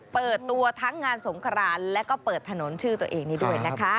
เปิดตัวทั้งงานสงครานแล้วก็เปิดถนนชื่อตัวเองนี้ด้วยนะคะ